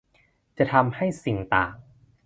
จะทำให้สิ่งต่าง